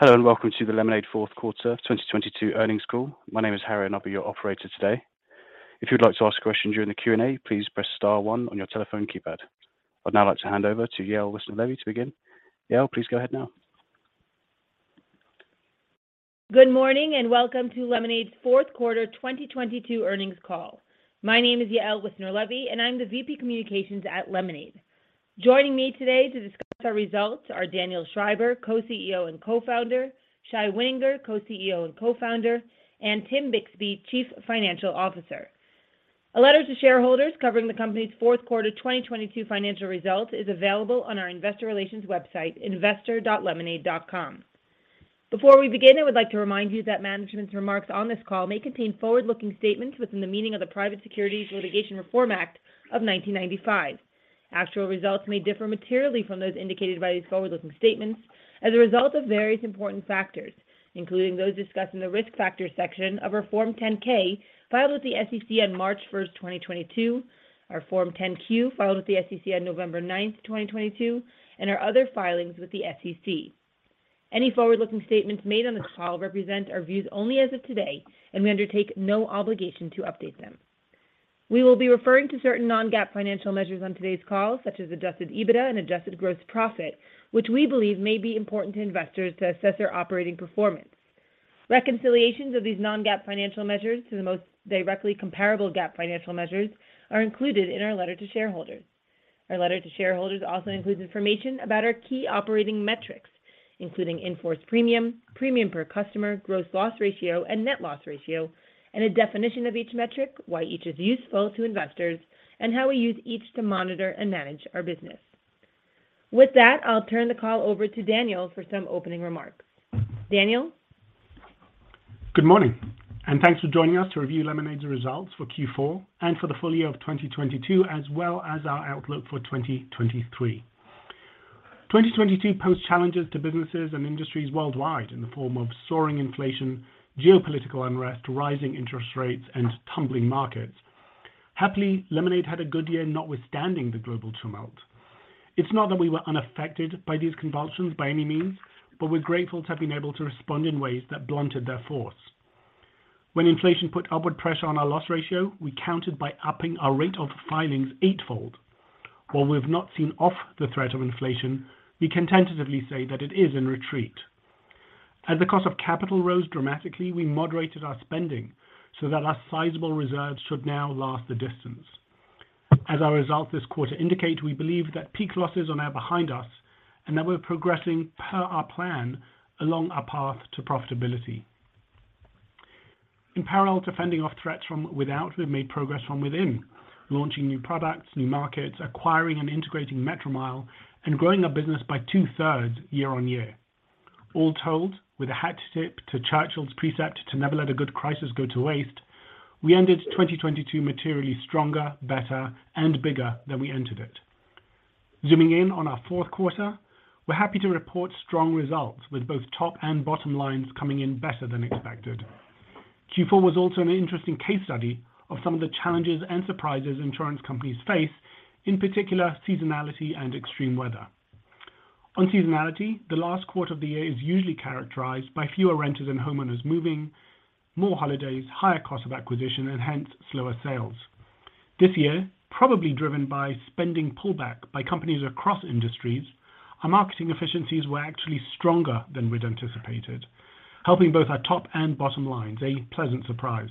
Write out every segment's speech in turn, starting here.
Hello and welcome to the Lemonade Fourth Quarter 2022 Earnings Call. My name is Harry and I'll be your operator today. If you'd like to ask a question during the Q&A, please press star one on your telephone keypad. I'd now like to hand over to Yael Wissner-Levy to begin. Yael, please go ahead now. Good morning and welcome to Lemonade's fourth quarter 2022 earnings call. My name is Yael Wissner-Levy and I'm the VP Communications at Lemonade. Joining me today to discuss our results are Daniel Schreiber, Co-CEO and Co-founder, Shai Wininger, Co-CEO and Co-founder, and Tim Bixby, Chief Financial Officer. A letter to shareholders covering the company's fourth quarter 2022 financial results is available on our investor relations website, investor.lemonade.com. Before we begin, I would like to remind you that management's remarks on this call may contain forward-looking statements within the meaning of the Private Securities Litigation Reform Act of 1995. Actual results may differ materially from those indicated by these forward-looking statements as a result of various important factors, including those discussed in the Risk Factors section of our Form 10-K filed with the SEC on March 1st, 2022, our Form 10-Q filed with the SEC on November 9th, 2022, and our other filings with the SEC. Any forward-looking statements made on this call represent our views only as of today, and we undertake no obligation to update them. We will be referring to certain non-GAAP financial measures on today's call, such as adjusted EBITDA and adjusted gross profit, which we believe may be important to investors to assess their operating performance. Reconciliations of these non-GAAP financial measures to the most directly comparable GAAP financial measures are included in our letter to shareholders. Our letter to shareholders also includes information about our key operating metrics, including in-force premium per customer, gross loss ratio, and net loss ratio, and a definition of each metric, why each is useful to investors, and how we use each to monitor and manage our business. With that, I'll turn the call over to Daniel for some opening remarks. Daniel? Good morning, thanks for joining us to review Lemonade's results for Q4 and for the full year of 2022 as well as our outlook for 2023. 2022 posed challenges to businesses and industries worldwide in the form of soaring inflation, geopolitical unrest, rising interest rates, and tumbling markets. Happily, Lemonade had a good year notwithstanding the global tumult. It's not that we were unaffected by these convulsions by any means, but we're grateful to have been able to respond in ways that blunted their force. When inflation put upward pressure on our loss ratio, we countered by upping our rate of filings eightfold. While we've not seen off the threat of inflation, we can tentatively say that it is in retreat. The cost of capital rose dramatically, we moderated our spending so that our sizable reserves should now last the distance. As our results this quarter indicate, we believe that peak losses are now behind us and that we're progressing per our plan along our path to profitability. In parallel to fending off threats from without, we've made progress from within, launching new products, new markets, acquiring and integrating Metromile, and growing our business by 2/3 year-over-year. All told, with a hat tip to Churchill's precept to never let a good crisis go to waste, we ended 2022 materially stronger, better and bigger than we entered it. Zooming in on our Q4, we're happy to report strong results with both top and bottom lines coming in better than expected. Q4 was also an interesting case study of some of the challenges and surprises insurance companies face, in particular seasonality and extreme weather. On seasonality, the last quarter of the year is usually characterized by fewer renters and homeowners moving, more holidays, higher cost of acquisition and hence slower sales. This year, probably driven by spending pullback by companies across industries, our marketing efficiencies were actually stronger than we'd anticipated, helping both our top and bottom lines a pleasant surprise.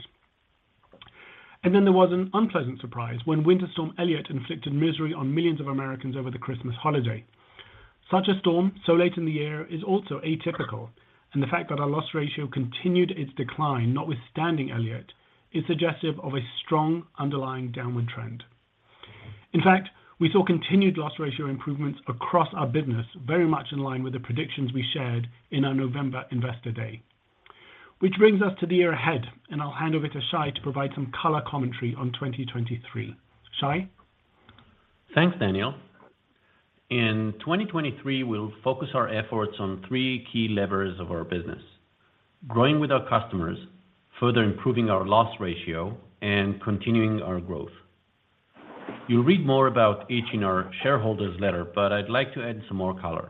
Then there was an unpleasant surprise when Winter Storm Elliott inflicted misery on millions of Americans over the Christmas holiday. Such a storm so late in the year is also atypical, and the fact that our loss ratio continued its decline notwithstanding Elliott is suggestive of a strong underlying downward trend. In fact, we saw continued loss ratio improvements across our business very much in line with the predictions we shared in our November Investor Day. Which brings us to the year ahead, and I'll hand over to Shai to provide some color commentary on 2023. Shai? Thanks, Daniel. In 2023, we'll focus our efforts on three key levers of our business: growing with our customers, further improving our loss ratio, and continuing our growth. You'll read more about each in our shareholders letter. I'd like to add some more color.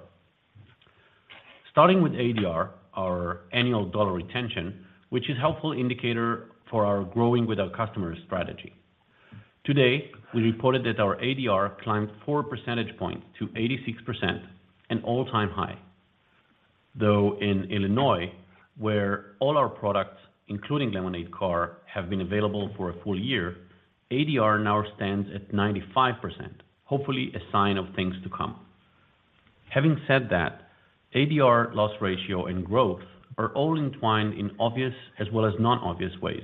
Starting with ADR, our annual dollar retention, which is helpful indicator for our growing with our customers strategy. Today, we reported that our ADR climbed 4 percentage points to 86%, an all-time high. In Illinois, where all our products, including Lemonade Car, have been available for a full year, ADR now stands at 95%, hopefully a sign of things to come. Having said that, ADR loss ratio and growth are all entwined in obvious as well as non-obvious ways.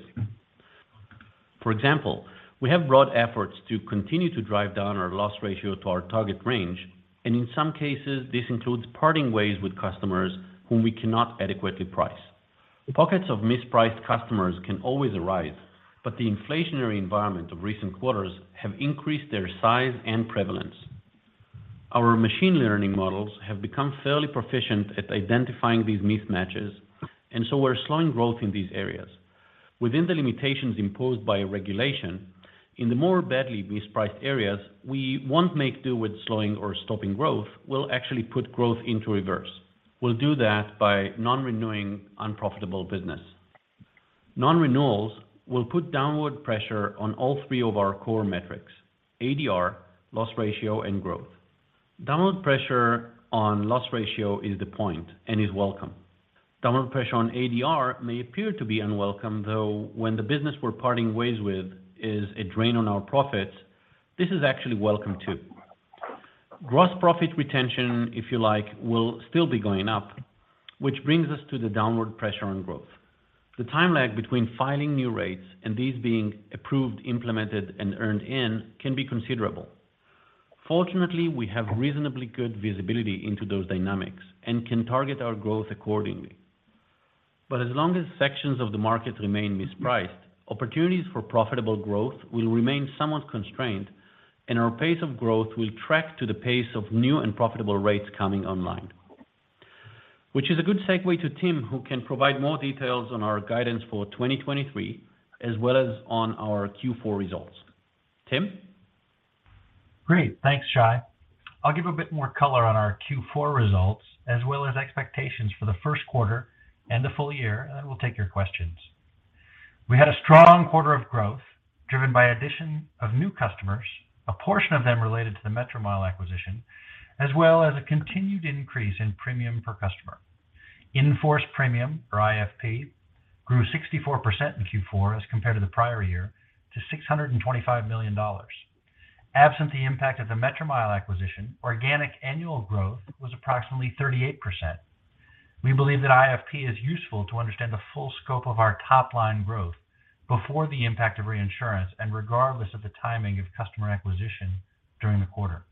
For example, we have broad efforts to continue to drive down our loss ratio to our target range, and in some cases, this includes parting ways with customers whom we cannot adequately price. Pockets of mispriced customers can always arise, but the inflationary environment of recent quarters have increased their size and prevalence. Our machine learning models have become fairly proficient at identifying these mismatches, and so we're slowing growth in these areas. Within the limitations imposed by regulation, in the more badly mispriced areas, we won't make do with slowing or stopping growth, we'll actually put growth into reverse. We'll do that by non-renewing unprofitable business. Non-renewals will put downward pressure on all three of our core metrics: ADR, loss ratio, and growth. Downward pressure on loss ratio is the point and is welcome. Downward pressure on ADR may appear to be unwelcome, though, when the business we're parting ways with is a drain on our profits, this is actually welcome too. Gross profit retention, if you like, will still be going up, which brings us to the downward pressure on growth. The time lag between filing new rates and these being approved, implemented, and earned in can be considerable. Fortunately, we have reasonably good visibility into those dynamics and can target our growth accordingly. As long as sections of the market remain mispriced, opportunities for profitable growth will remain somewhat constrained, and our pace of growth will track to the pace of new and profitable rates coming online. Is a good segue to Tim, who can provide more details on our guidance for 2023 as well as on our Q4 results. Tim? Great. Thanks, Shai. I'll give a bit more color on our Q4 results as well as expectations for the first quarter and the full year, then we'll take your questions. We had a strong quarter of growth driven by addition of new customers, a portion of them related to the Metromile acquisition, as well as a continued increase in premium per customer. In-force premium, or IFP, grew 64% in Q4 as compared to the prior year to $625 million. Absent the impact of the Metromile acquisition, organic annual growth was approximately 38%. We believe that IFP is useful to understand the full scope of our top line growth before the impact of reinsurance and regardless of the timing of customer acquisition during the quarter.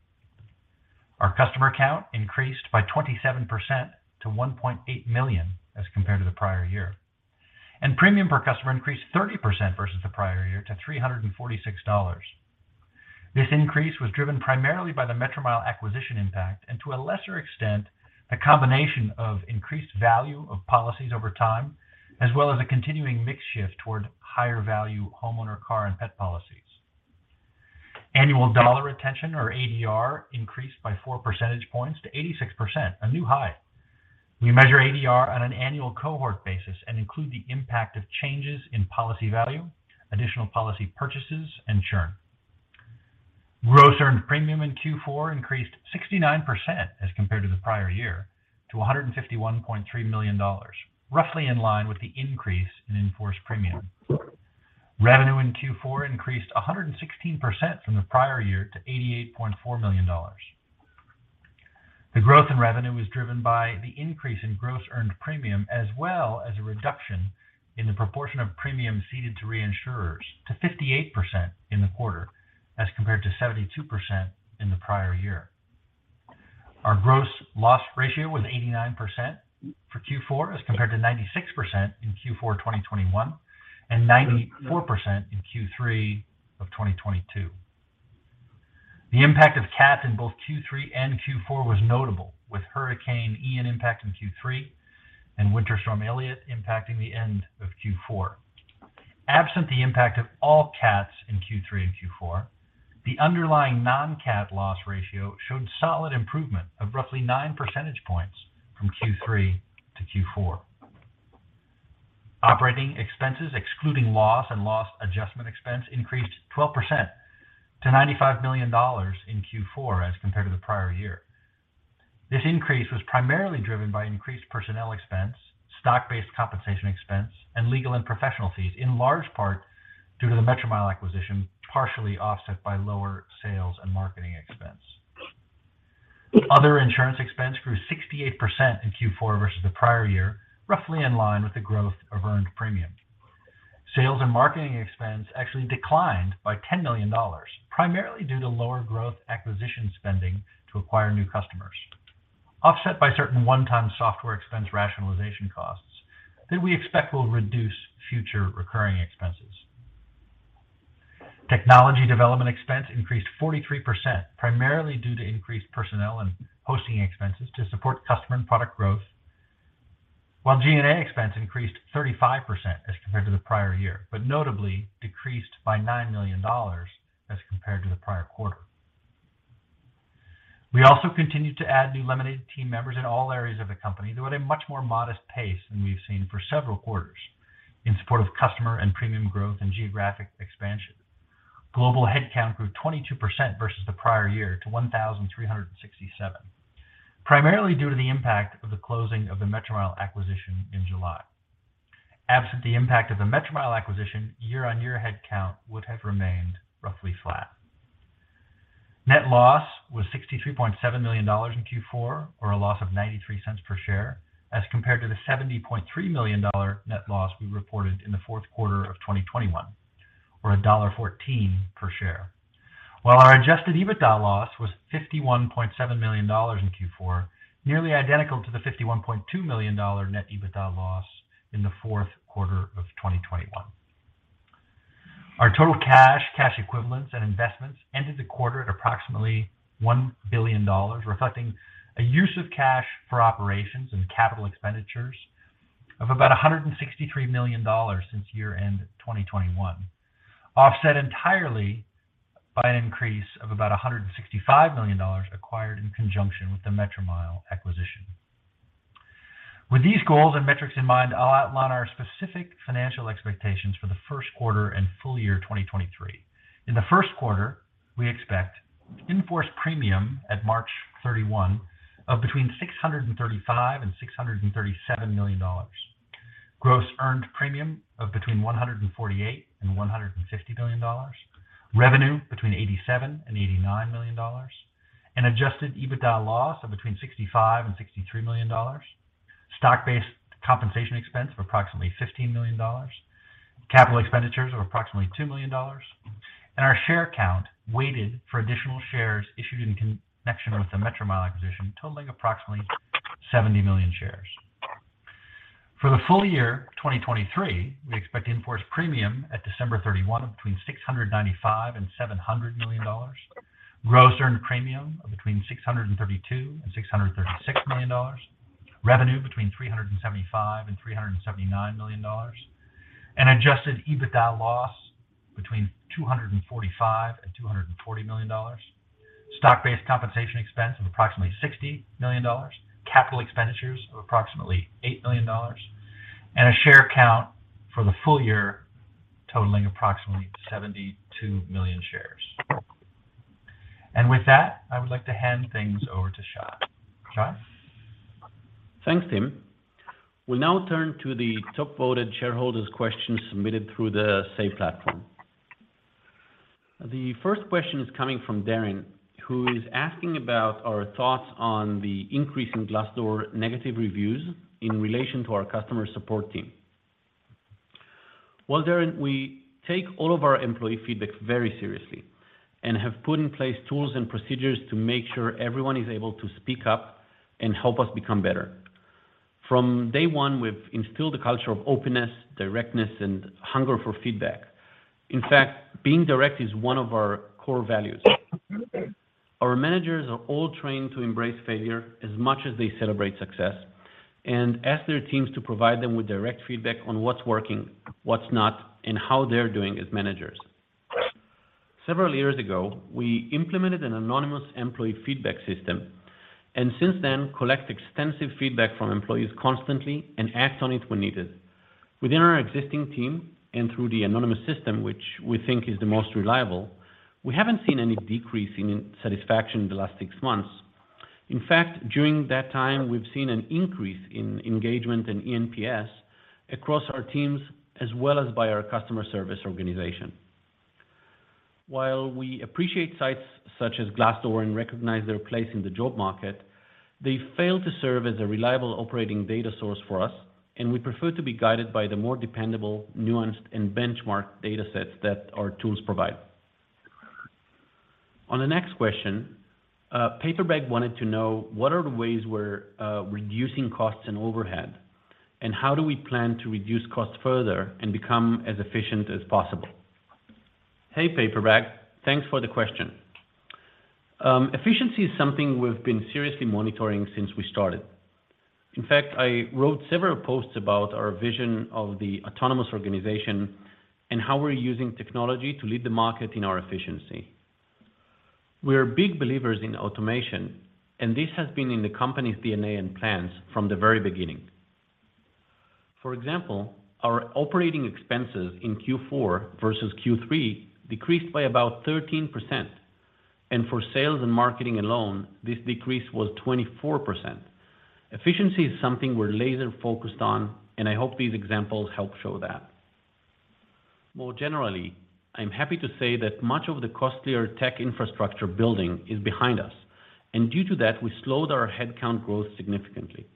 Our customer count increased by 27% to 1.8 million as compared to the prior year. Premium per customer increased 30% versus the prior year to $346. This increase was driven primarily by the Metromile acquisition impact and to a lesser extent, a combination of increased value of policies over time, as well as a continuing mix shift toward higher value homeowner car and pet policies. Annual dollar retention, or ADR, increased by 4 percentage points to 86%, a new high. We measure ADR on an annual cohort basis and include the impact of changes in policy value, additional policy purchases, and churn. Gross earned premium in Q4 increased 69% as compared to the prior year to $151.3 million, roughly in line with the increase in in-force premium. Revenue in Q4 increased 116% from the prior year to $88.4 million. The growth in revenue was driven by the increase in gross earned premium, as well as a reduction in the proportion of premium ceded to reinsurers to 58% in the quarter as compared to 72% in the prior year. Our gross loss ratio was 89% for Q4 as compared to 96% in Q4 2021, and 94% in Q3 of 2022. The impact of CAT in both Q3 and Q4 was notable, with Hurricane Ian impact in Q3 and Winter Storm Elliott impacting the end of Q4. Absent the impact of all CATs in Q3 and Q4, the underlying non-CAT loss ratio showed solid improvement of roughly 9 percentage points from Q3 to Q4. Operating expenses, excluding loss and loss adjustment expense, increased 12% to $95 million in Q4 as compared to the prior year. This increase was primarily driven by increased personnel expense, stock-based compensation expense, and legal and professional fees, in large part due to the Metromile acquisition, partially offset by lower sales and marketing expense. Other insurance expense grew 68% in Q4 versus the prior year, roughly in line with the growth of earned premium. Sales and marketing expense actually declined by $10 million, primarily due to lower growth acquisition spending to acquire new customers, offset by certain one-time software expense rationalization costs that we expect will reduce future recurring expenses. Technology development expense increased 43%, primarily due to increased personnel and hosting expenses to support customer and product growth, while G&A expense increased 35% as compared to the prior year, but notably decreased by $9 million as compared to the prior quarter. We also continued to add new Lemonade team members in all areas of the company, though at a much more modest pace than we've seen for several quarters in support of customer and premium growth and geographic expansion. Global headcount grew 22% versus the prior year to 1,367, primarily due to the impact of the closing of the Metromile acquisition in July. Absent the impact of the Metromile acquisition, year-over-year headcount would have remained roughly flat. Net loss was $63.7 million in Q4, or a loss of $0.93 per share, as compared to the $70.3 million net loss we reported in the fourth quarter of 2021, or $1.14 per share. Our adjusted EBITDA loss was $51.7 million in Q4, nearly identical to the $51.2 million net EBITDA loss in the fourth quarter of 2021. Our total cash equivalents and investments ended the quarter at approximately $1 billion, reflecting a use of cash for operations and capital expenditures of about $163 million since year-end 2021, offset entirely by an increase of about $165 million acquired in conjunction with the Metromile acquisition. With these goals and metrics in mind, I'll outline our specific financial expectations for the first quarter and full year 2023. In the first quarter, we expect in-force premium at March 31 of between $635 million-$637 million. Gross earned premium of between $148 million-$150 million. Revenue between $87 million-$89 million. An adjusted EBITDA loss of between $65 million-$63 million. Stock-based compensation expense of approximately $15 million. Capital expenditures of approximately $2 million. Our share count weighted for additional shares issued in connection with the Metromile acquisition totaling approximately 70 million shares. For the full year 2023, we expect in-force premium at December 31 of between $695 million-$700 million. Gross earned premium of between $632 million and $636 million. Revenue between $375 million and $379 million. An adjusted EBITDA loss between $245 million and $240 million. Stock-based compensation expense of approximately $60 million. Capital expenditures of approximately $8 million. A share count for the full year totaling approximately 72 million shares. With that, I would like to hand things over to Shai. Shai? Thanks, Tim. We'll now turn to the top voted shareholders questions submitted through the Say platform. The first question is coming from Darren, who is asking about our thoughts on the increase in Glassdoor negative reviews in relation to our customer support team. Well, Darren, we take all of our employee feedback very seriously and have put in place tools and procedures to make sure everyone is able to speak up and help us become better. From day one, we've instilled a culture of openness, directness, and hunger for feedback. In fact, being direct is one of our core values. Our managers are all trained to embrace failure as much as they celebrate success and ask their teams to provide them with direct feedback on what's working, what's not, and how they're doing as managers. Several years ago, we implemented an anonymous employee feedback system. Since then, collect extensive feedback from employees constantly and act on it when needed. Within our existing team and through the anonymous system, which we think is the most reliable, we haven't seen any decrease in satisfaction in the last six months. In fact, during that time, we've seen an increase in engagement and ENPS across our teams as well as by our customer service organization. While we appreciate sites such as Glassdoor and recognize their place in the job market, they fail to serve as a reliable operating data source for us, and we prefer to be guided by the more dependable, nuanced, and benchmark data sets that our tools provide. On the next question, Paperbag wanted to know what are the ways we're reducing costs and overhead, and how do we plan to reduce costs further and become as efficient as possible? Hey, Paperbag, thanks for the question. Efficiency is something we've been seriously monitoring since we started. In fact, I wrote several posts about our vision of the autonomous organization and how we're using technology to lead the market in our efficiency. We are big believers in automation, and this has been in the company's DNA and plans from the very beginning. For example, our operating expenses in Q4 versus Q3 decreased by about 13%. For sales and marketing alone, this decrease was 24%. Efficiency is something we're laser focused on, and I hope these examples help show that. More generally, I'm happy to say that much of the costlier tech infrastructure building is behind us, and due to that, we slowed our headcount growth significantly.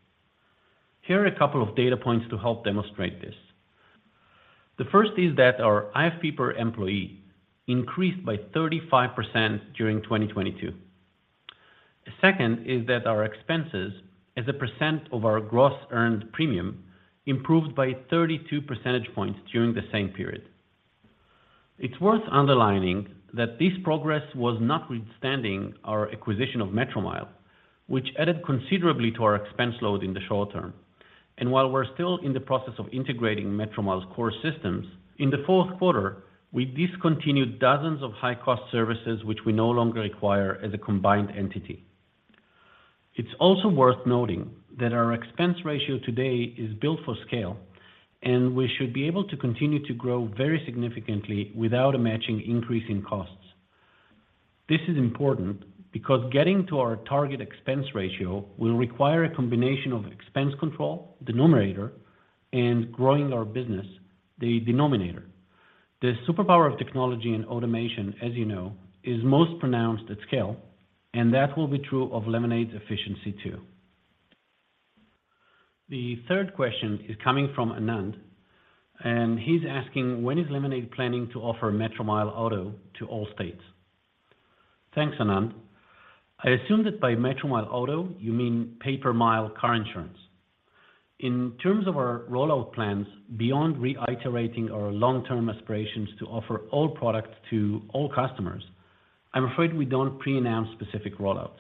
Here are a couple of data points to help demonstrate this. The first is that our IFP per employee increased by 35% during 2022. The second is that our expenses as a percent of our gross earned premium improved by 32 percentage points during the same period. It's worth underlining that this progress was notwithstanding our acquisition of Metromile, which added considerably to our expense load in the short term. While we're still in the process of integrating Metromile's core systems, in the fourth quarter, we discontinued dozens of high cost services which we no longer require as a combined entity. It's also worth noting that our expense ratio today is built for scale, and we should be able to continue to grow very significantly without a matching increase in costs. This is important because getting to our target expense ratio will require a combination of expense control, the numerator, and growing our business, the denominator. The superpower of technology and automation, as you know, is most pronounced at scale, and that will be true of Lemonade's efficiency too. The third question is coming from Anand, and he's asking, when is Lemonade planning to offer Metromile Auto to all states? Thanks, Anand. I assume that by Metromile Auto, you mean pay-per-mile car insurance. In terms of our rollout plans, beyond reiterating our long-term aspirations to offer all products to all customers, I'm afraid we don't pre-announce specific rollouts.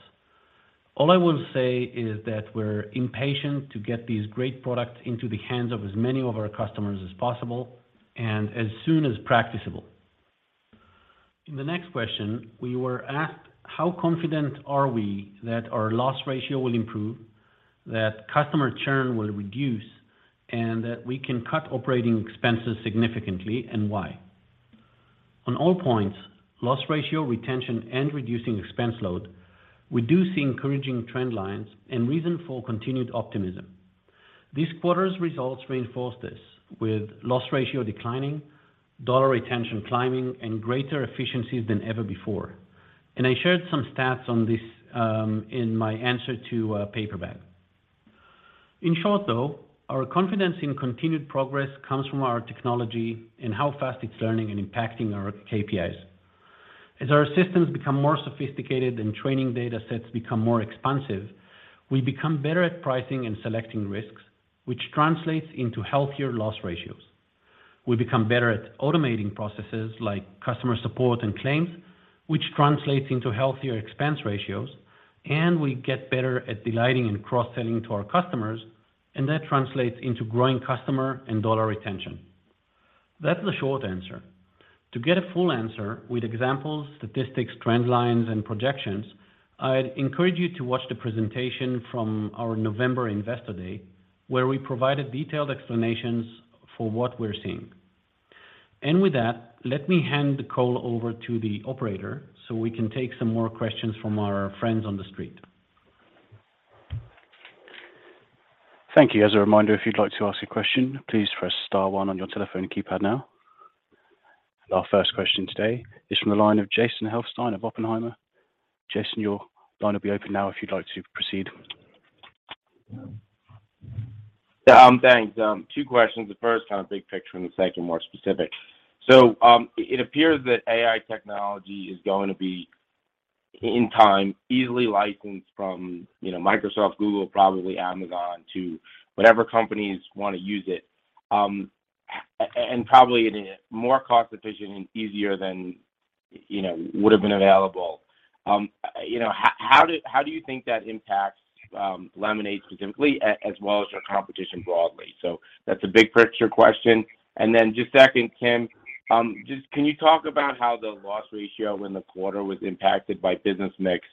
All I will say is that we're impatient to get these great products into the hands of as many of our customers as possible and as soon as practicable. In the next question, we were asked, how confident are we that our loss ratio will improve, that customer churn will reduce, and that we can cut operating expenses significantly, and why? On all points, loss ratio, retention, and reducing expense load, we do see encouraging trend lines and reason for continued optimism. This quarter's results reinforce this with loss ratio declining, dollar retention climbing, and greater efficiencies than ever before. I shared some stats on this in my answer to Paperbag. In short, though, our confidence in continued progress comes from our technology and how fast it's learning and impacting our KPIs. As our systems become more sophisticated and training data sets become more expansive, we become better at pricing and selecting risks, which translates into healthier loss ratios. We become better at automating processes like customer support and claims, which translates into healthier expense ratios. We get better at delighting and cross-selling to our customers, and that translates into growing customer and dollar retention. That's the short answer. To get a full answer with examples, statistics, trend lines, and projections, I'd encourage you to watch the presentation from our November Investor Day, where we provided detailed explanations for what we're seeing. With that, let me hand the call over to the operator so we can take some more questions from our friends on the street. Thank you. As a reminder, if you'd like to ask a question, please press star one on your telephone keypad now. Our first question today is from the line of Jason Helfstein of Oppenheimer. Jason, your line will be open now if you'd like to proceed. Thanks. Two questions. The first kind of big picture and the second more specific. It appears that AI technology is going to be, in time, easily licensed from, you know, Microsoft, Google, probably Amazon, to whatever companies wanna use it. And probably more cost efficient and easier than, you know, would have been available. You know, how do you think that impacts Lemonade specifically as well as your competition broadly? That's a big picture question. Just second, Tim, just can you talk about how the loss ratio in the quarter was impacted by business mix,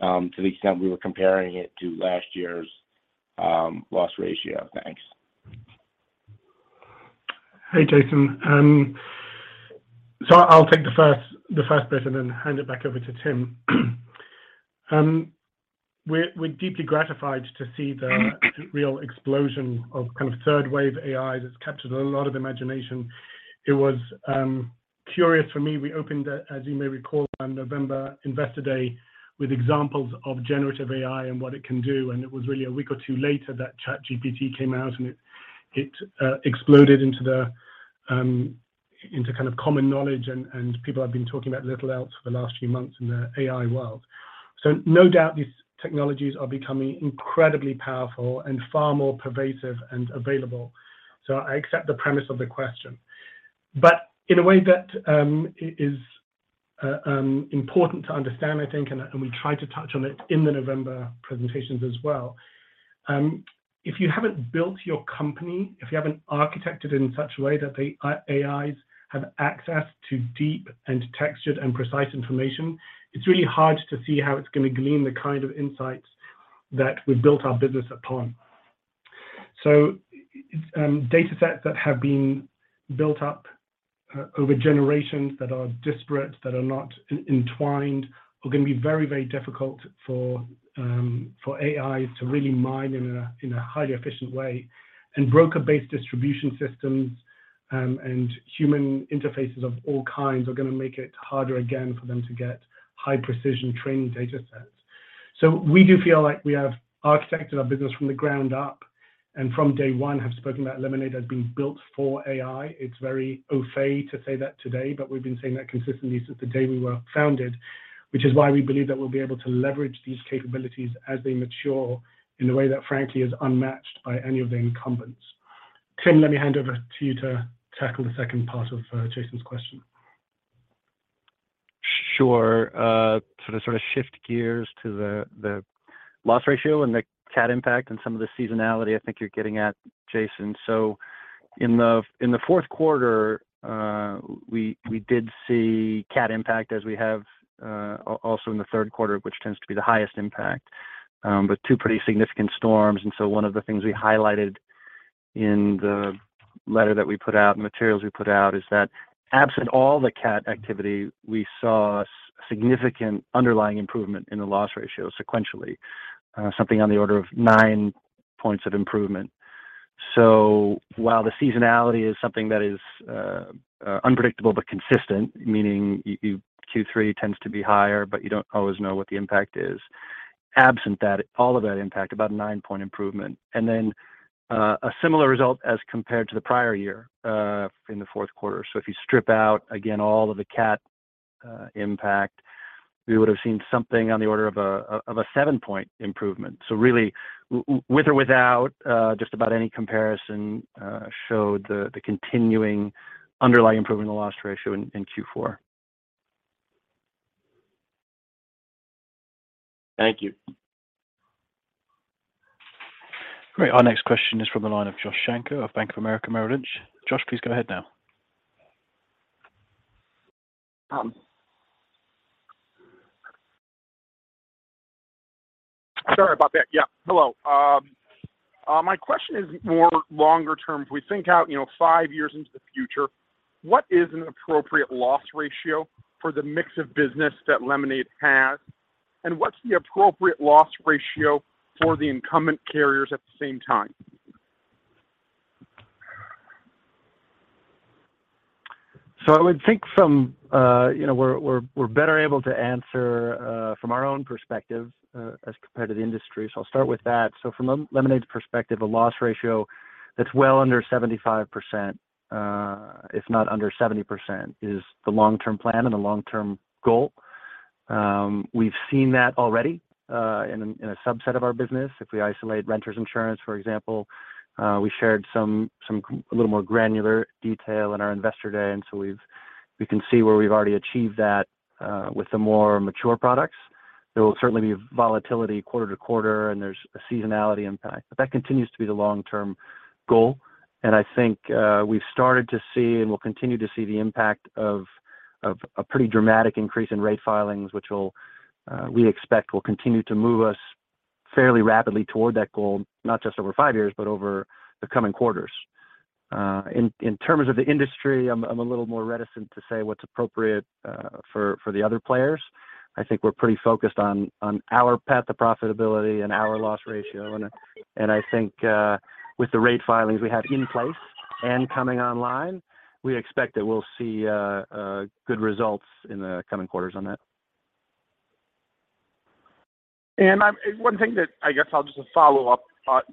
to the extent we were comparing it to last year's loss ratio? Thanks. Hey, Jason. I'll take the first bit and then hand it back over to Tim. We're deeply gratified to see the real explosion of kind of third wave AIs. It's captured a lot of imagination. It was curious for me. We opened, as you may recall, on November Investor Day with examples of generative AI and what it can do, and it was really a week or two later that ChatGPT came out and it exploded into the kind of common knowledge and people have been talking about little else for the last few months in the AI world. No doubt these technologies are becoming incredibly powerful and far more pervasive and available. I accept the premise of the question. In a way that is important to understand, I think, and we tried to touch on it in the November presentations as well, if you haven't built your company, if you haven't architected in such a way that the AIs have access to deep and textured and precise information, it's really hard to see how it's gonna glean the kind of insights that we've built our business upon. Data sets that have been built up over generations that are disparate, that are not entwined, are gonna be very, very difficult for AIs to really mine in a highly efficient way. Broker-based distribution systems and human interfaces of all kinds are gonna make it harder again for them to get high precision training data sets. We do feel like we have architected our business from the ground up, and from day one have spoken about Lemonade as being built for AI. It's very au fait to say that today, but we've been saying that consistently since the day we were founded, which is why we believe that we'll be able to leverage these capabilities as they mature in a way that frankly is unmatched by any of the incumbents. Tim, let me hand over to you to tackle the second part of Jason's question. Sure. To sort of shift gears to the loss ratio and the cat impact and some of the seasonality I think you're getting at, Jason. In the fourth quarter, we did see cat impact as we have also in the third quarter, which tends to be the highest impact, but two pretty significant storms. One of the things we highlighted in the letter that we put out, materials we put out, is that absent all the cat activity, we saw significant underlying improvement in the loss ratio sequentially, something on the order of nine points of improvement. While the seasonality is something that is unpredictable but consistent, meaning Q3 tends to be higher, but you don't always know what the impact is. Absent that, all of that impact, about a nine-point improvement. Then a similar result as compared to the prior year in the fourth quarter. If you strip out, again, all of the CAT impact, we would have seen something on the order of a, of a seven-point improvement. Really, with or without just about any comparison showed the continuing underlying improvement in the loss ratio in Q4. Thank you. Great. Our next question is from the line of Joshua Shanker of Bank of America Merrill Lynch. Josh, please go ahead now. Sorry about that. Yeah. Hello. My question is more longer term. If we think out, you know, five years into the future, what is an appropriate loss ratio for the mix of business that Lemonade has? What's the appropriate loss ratio for the incumbent carriers at the same time? I would think from, you know, we're better able to answer from our own perspective as compared to the industry, so I'll start with that. From Lemonade's perspective, a loss ratio that's well under 75%, if not under 70% is the long-term plan and the long-term goal. We've seen that already in a subset of our business. If we isolate renters insurance, for example, we shared a little more granular detail in our investor day, and so we can see where we've already achieved that with the more mature products. There will certainly be volatility quarter to quarter, and there's a seasonality impact. That continues to be the long-term goal. I think, we've started to see and will continue to see the impact of a pretty dramatic increase in rate filings, which will, we expect will continue to move us fairly rapidly toward that goal, not just over five years, but over the coming quarters. In terms of the industry, I'm a little more reticent to say what's appropriate, for the other players. I think we're pretty focused on our path to profitability and our loss ratio. I think, with the rate filings we have in place and coming online, we expect that we'll see, good results in the coming quarters on that. One thing that I guess I'll just follow up.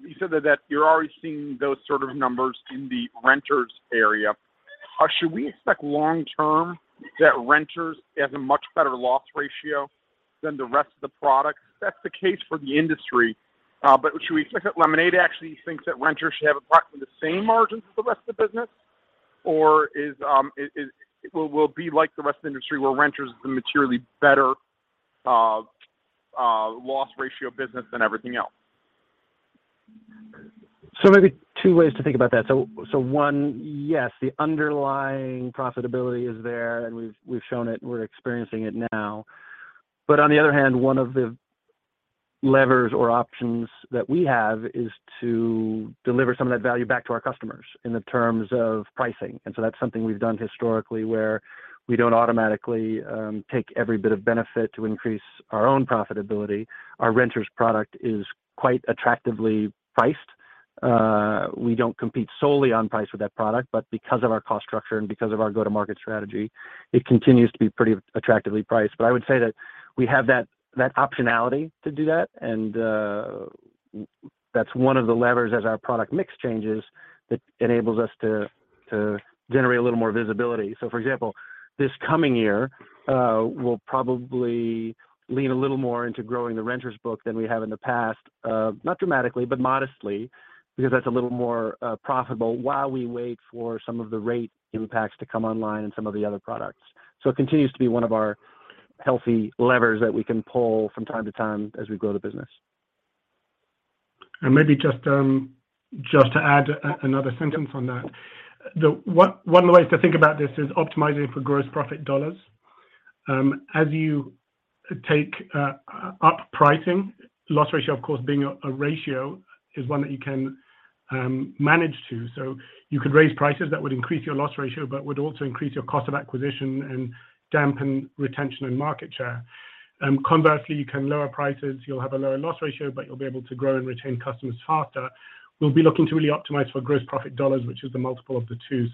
You said that you're already seeing those sort of numbers in the renters area. Should we expect long term that renters has a much better loss ratio than the rest of the products? That's the case for the industry. Should we expect that Lemonade actually thinks that renters should have approximately the same margins as the rest of the business? Is, will be like the rest of the industry where renters is the materially better loss ratio business than everything else? Maybe two ways to think about that. One, yes, the underlying profitability is there and we've shown it, we're experiencing it now. On the other hand, one of the levers or options that we have is to deliver some of that value back to our customers in the terms of pricing. That's something we've done historically, where we don't automatically, take every bit of benefit to increase our own profitability. Our renters product is quite attractively priced. We don't compete solely on price with that product, but because of our cost structure and because of our go-to-market strategy, it continues to be pretty attractively priced. I would say that we have that optionality to do that and, that's one of the levers as our product mix changes that enables us to generate a little more visibility. For example, this coming year, we'll probably lean a little more into growing the renters book than we have in the past, not dramatically, but modestly, because that's a little more profitable while we wait for some of the rate impacts to come online and some of the other products. It continues to be one of our healthy levers that we can pull from time to time as we grow the business. Maybe just to add another sentence on that. One of the ways to think about this is optimizing for gross profit dollars. As you take up pricing, loss ratio, of course, being a ratio, is one that you can manage to. You could raise prices that would increase your loss ratio, but would also increase your cost of acquisition and dampen retention and market share. Conversely, you can lower prices, you'll have a lower loss ratio, but you'll be able to grow and retain customers faster. We'll be looking to really optimize for gross profit dollars, which is the multiple of the two.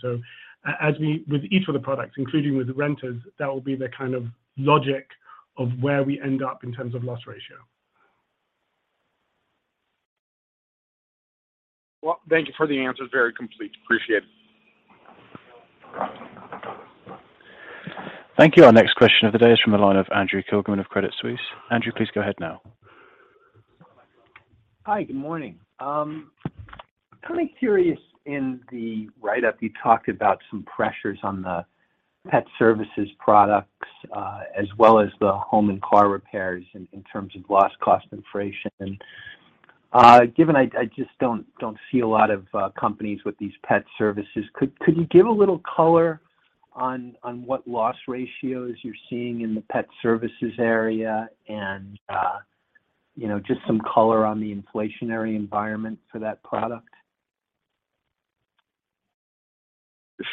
As we with each of the products, including with renters, that will be the kind of logic of where we end up in terms of loss ratio. Thank you for the answers. Very complete. Appreciate it. Thank you. Our next question of the day is from the line of Andrew Kligerman of Credit Suisse. Andrew, please go ahead now. Hi. Good morning. Kind of curious, in the write-up, you talked about some pressures on the pet services products, as well as the home and car repairs in terms of loss cost inflation. Given I just don't see a lot of companies with these pet services, could you give a little color on what loss ratios you're seeing in the pet services area and, you know, just some color on the inflationary environment for that product?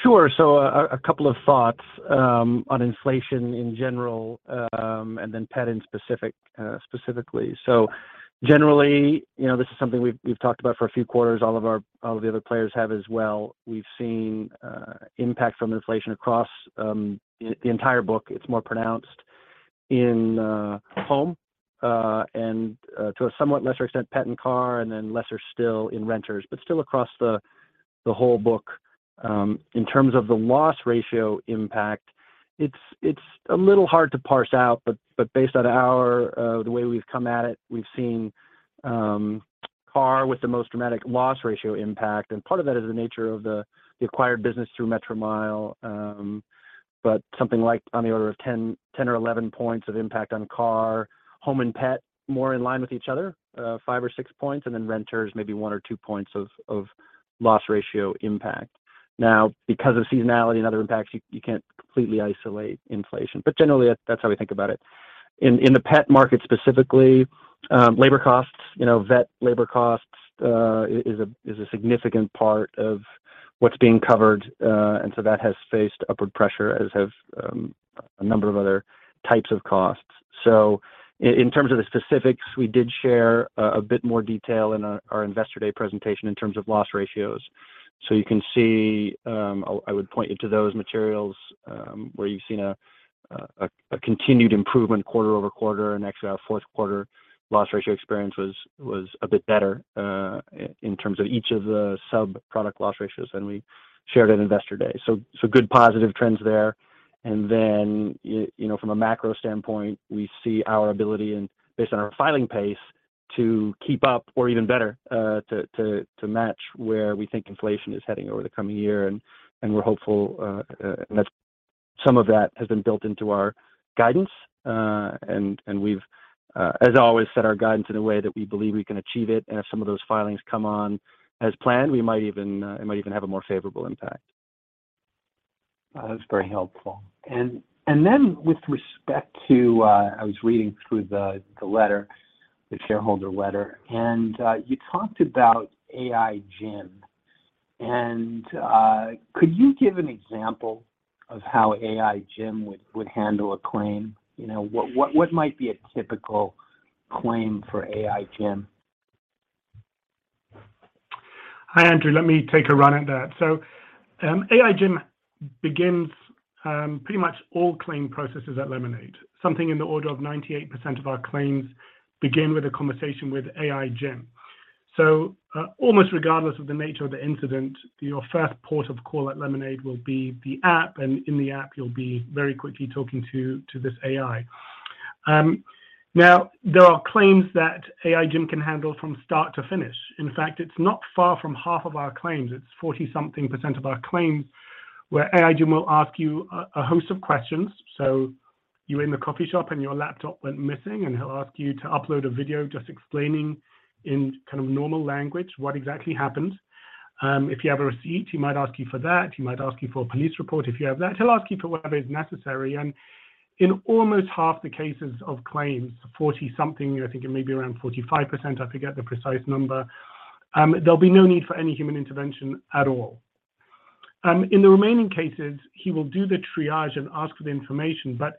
Sure. A couple of thoughts on inflation in general, and then pet in specific, specifically. Generally, you know, this is something we've talked about for a few quarters. All of the other players have as well. We've seen impact from inflation across the entire book. It's more pronounced in home, and to a somewhat lesser extent pet and car, and then lesser still in renters. Still across the whole book, in terms of the loss ratio impact, it's a little hard to parse out. Based on the way we've come at it, we've seen car with the most dramatic loss ratio impact, and part of that is the nature of the acquired business through Metromile. Something like on the order of 10 or 11 points of impact on car, home and pet more in line with each other, five or six points, and then renters maybe one or two points of loss ratio impact. Now, because of seasonality and other impacts, you can't completely isolate inflation. Generally that's how we think about it. In the pet market specifically, labor costs, you know, vet labor costs, is a significant part of what's being covered, and so that has faced upward pressure, as have a number of other types of costs. In terms of the specifics, we did share a bit more detail in our Investor Day presentation in terms of loss ratios. You can see, I would point you to those materials, where you've seen a continued improvement quarter-over-quarter, and actually our fourth quarter loss ratio experience was a bit better in terms of each of the sub-product loss ratios than we shared at Investor Day. Good positive trends there. You know, from a macro standpoint, we see our ability and based on our filing pace, to keep up or even better, to match where we think inflation is heading over the coming year. We're hopeful that some of that has been built into our guidance. We've, as always, set our guidance in a way that we believe we can achieve it. If some of those filings come on as planned, it might even have a more favorable impact. That's very helpful. Then with respect to, I was reading through the letter, the shareholder letter, and, you talked about AI Jim. Could you give an example of how AI Jim would handle a claim? You know, what might be a typical claim for AI Jim? Hi, Andrew. Let me take a run at that. AI Jim begins pretty much all claim processes at Lemonade. Something in the order of 98% of our claims begin with a conversation with AI Jim. Almost regardless of the nature of the incident, your first port of call at Lemonade will be the app, and in the app you'll be very quickly talking to this AI. Now, there are claims that AI Jim can handle from start to finish. In fact, it's not far from half of our claims. It's 40-something% of our claims where AI Jim will ask you a host of questions. You're in the coffee shop, and your laptop went missing, and he'll ask you to upload a video just explaining in kind of normal language what exactly happened. If you have a receipt, he might ask you for that. He might ask you for a police report if you have that. He'll ask you for whatever is necessary. And in almost half the cases of claims, 40-something, I think it may be around 45%, I forget the precise number, there'll be no need for any human intervention at all. In the remaining cases, he will do the triage and ask for the information, but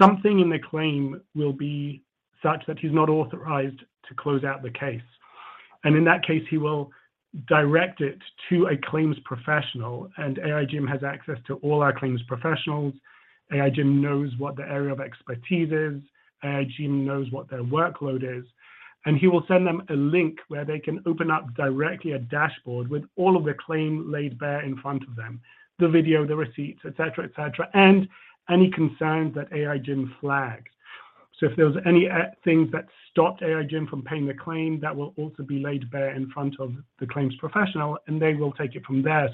something in the claim will be such that he's not authorized to close out the case. And in that case, he will direct it to a claims professional, and AI Jim has access to all our claims professionals. AI Jim knows what their area of expertise is. AI Jim knows what their workload is. He will send them a link where they can open up directly a dashboard with all of the claim laid bare in front of them, the video, the receipts, et cetera, et cetera, and any concerns that AI Jim flags. If there's any things that stopped AI Jim from paying the claim, that will also be laid bare in front of the claims professional, and they will take it from there.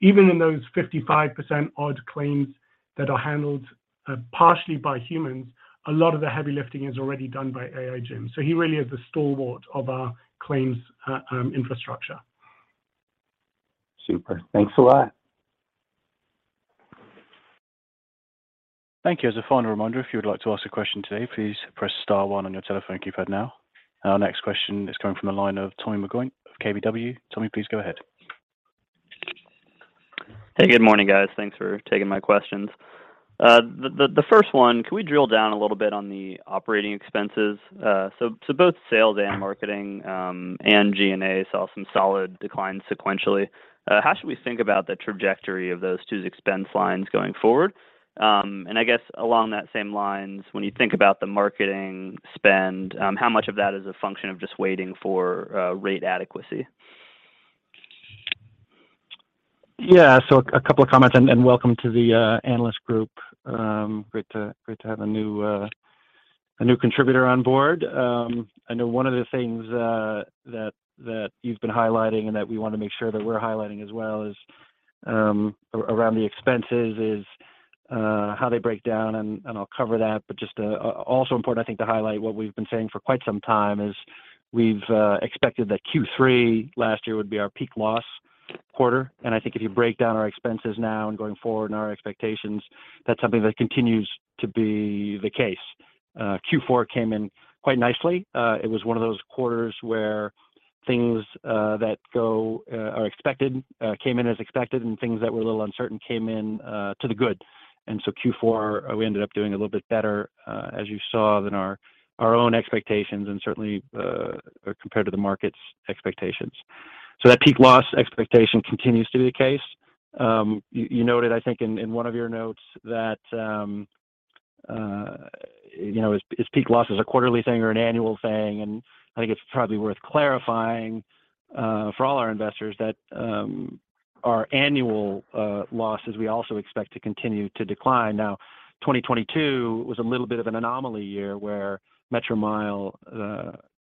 Even in those 55% odd claims that are handled partially by humans, a lot of the heavy lifting is already done by AI Jim. He really is the stalwart of our claims infrastructure. Super. Thanks a lot. Thank you. As a final reminder, if you would like to ask a question today, please press star one on your telephone keypad now. Our next question is coming from the line of Tommy McJoynt of KBW. Tommy, please go ahead. Hey, good morning, guys. Thanks for taking my questions. The first one, can we drill down a little bit on the operating expenses? Both sales and marketing, and G&A saw some solid declines sequentially. How should we think about the trajectory of those two expense lines going forward? I guess along that same lines, when you think about the marketing spend, how much of that is a function of just waiting for rate adequacy? Yeah. A couple of comments, and welcome to the analyst group. Great to have a new contributor on board. I know one of the things that you've been highlighting and that we wanna make sure that we're highlighting as well is around the expenses is how they break down, and I'll cover that. Just also important, I think, to highlight what we've been saying for quite some time is we've expected that Q3 last year would be our peak loss quarter. I think if you break down our expenses now and going forward and our expectations, that's something that continues to be the case. Q4 came in quite nicely. It was one of those quarters where things that go are expected came in as expected, and things that were a little uncertain came in to the good. Q4, we ended up doing a little bit better, as you saw than our own expectations and certainly compared to the market's expectations. That peak loss expectation continues to be the case. You noted, I think in one of your notes that, you know, is peak loss a quarterly thing or an annual thing? I think it's probably worth clarifying for all our investors that our annual losses, we also expect to continue to decline. 2022 was a little bit of an anomaly year where Metromile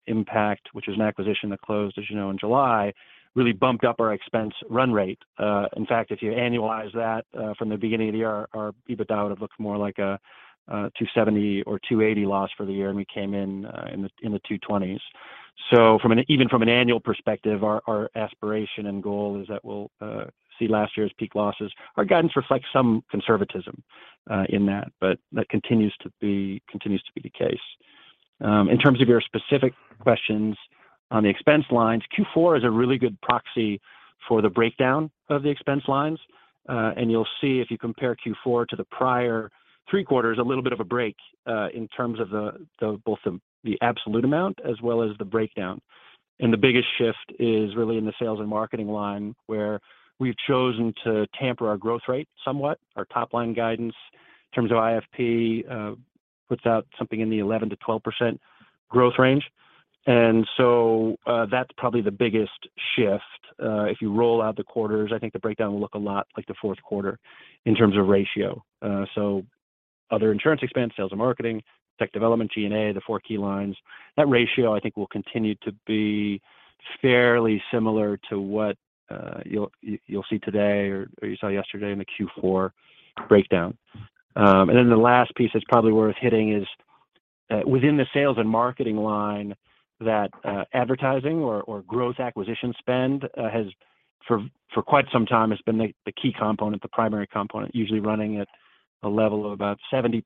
impact, which is an acquisition that closed as you know, in July, really bumped up our expense run rate. In fact, if you annualize that from the beginning of the year, our EBITDA would look more like a $270 or $280 loss for the year, and we came in in the $220s. Even from an annual perspective, our aspiration and goal is that we'll see last year's peak losses. Our guidance reflects some conservatism in that, but that continues to be the case. In terms of your specific questions on the expense lines, Q4 is a really good proxy for the breakdown of the expense lines. You'll see if you compare Q4 to the prior three quarters, a little bit of a break in terms of the both the absolute amount as well as the breakdown. The biggest shift is really in the sales and marketing line, where we've chosen to tamper our growth rate somewhat. Our top line guidance in terms of IFP puts out something in the 11%-12% growth range. That's probably the biggest shift. If you roll out the quarters, I think the breakdown will look a lot like the fourth quarter in terms of ratio. Other insurance expense, sales and marketing, tech development, G&A, the four key lines, that ratio, I think will continue to be fairly similar to what you'll see today or you saw yesterday in the Q4 breakdown. The last piece that's probably worth hitting is within the sales and marketing line that advertising or growth acquisition spend has for quite some time, has been the key component, the primary component, usually running at a level of about 70%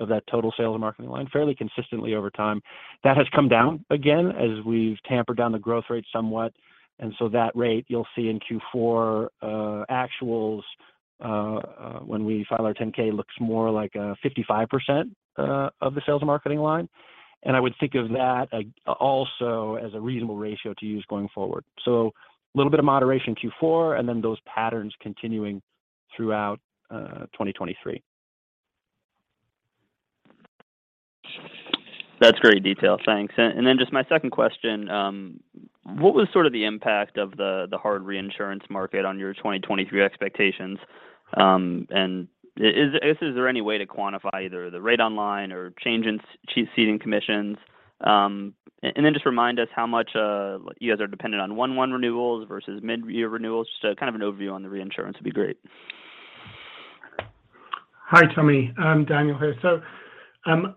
of that total sales and marketing line, fairly consistently over time. That has come down again as we've tampered down the growth rate somewhat. That rate you'll see in Q4 actuals when we file our 10-K looks more like a 55% of the sales and marketing line. I would think of that also as a reasonable ratio to use going forward. A little bit of moderation in Q4, those patterns continuing throughout 2023. That's great detail. Thanks. Then just my second question. What was sort of the impact of the hard reinsurance market on your 2023 expectations? Is there any way to quantify either the rate online or change in ceding commissions? Then just remind us how much you guys are dependent on one renewals versus mid-year renewals. Just a kind of an overview on the reinsurance would be great. Hi, Tommy. I'm Daniel here.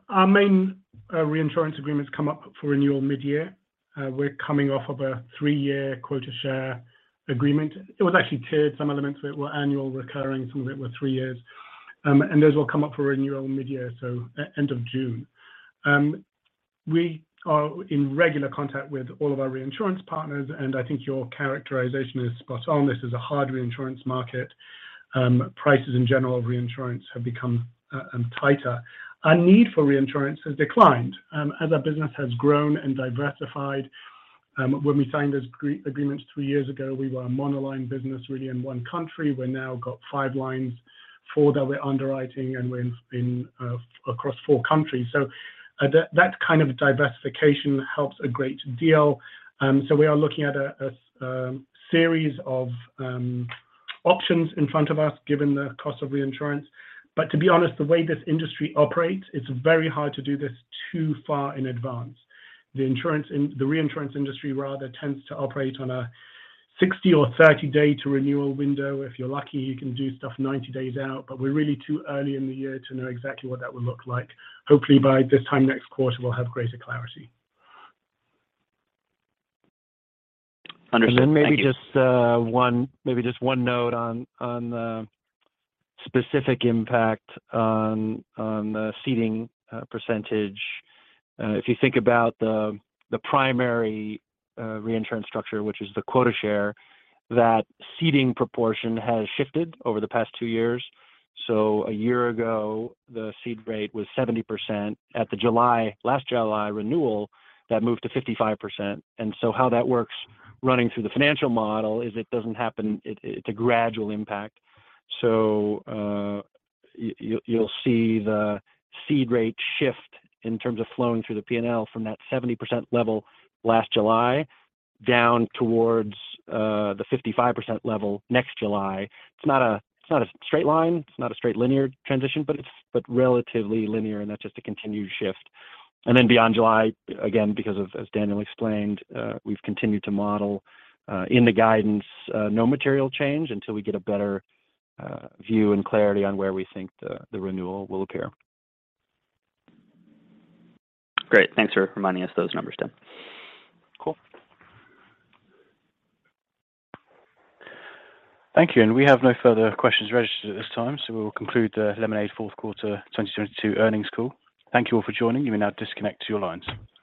Our main reinsurance agreements come up for renewal mid-year. We're coming off of a three year quota share agreement. It was actually tiered. Some elements of it were annual recurring, some of it were three years. And those will come up for renewal mid-year, so end of June. We are in regular contact with all of our reinsurance partners, and I think your characterization is spot on. This is a hard reinsurance market. Prices in general of reinsurance have become tighter. Our need for reinsurance has declined as our business has grown and diversified. When we signed those agreements three years ago, we were a monoline business really in one country. We now got five lines, four that we're underwriting, and we're in across four countries. That, that kind of diversification helps a great deal. We are looking at a series of options in front of us given the cost of reinsurance. To be honest, the way this industry operates, it's very hard to do this too far in advance. The reinsurance industry rather tends to operate on a 60 or 30 day to renewal window. If you're lucky, you can do stuff 90 days out, but we're really too early in the year to know exactly what that would look like. Hopefully by this time next quarter, we'll have greater clarity. Understood. Thank you. Maybe just one note on the specific impact on the ceding percentage. If you think about the primary reinsurance structure, which is the quota share, that ceding proportion has shifted over the past two years. A year ago, the cede rate was 70%. At the last July renewal, that moved to 55%. How that works running through the financial model is it doesn't happen. It's a gradual impact. You'll see the cede rate shift in terms of flowing through the P&L from that 70% level last July down towards the 55% level next July. It's not a straight line, it's not a straight linear transition, but relatively linear, and that's just a continued shift. Beyond July, again, because of, as Daniel explained, we've continued to model, in the guidance, no material change until we get a better view and clarity on where we think the renewal will occur. Great. Thanks for reminding us those numbers, Tim. Cool. Thank you. We have no further questions registered at this time. We'll conclude the Lemonade fourth quarter 2022 earnings call. Thank you all for joining. You may now disconnect your lines.